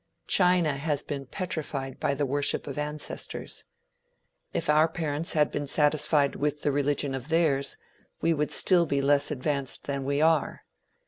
China has been petrified by the worship of ancestors. If our parents had been satisfied with the religion of theirs, we would be still less advanced than we are.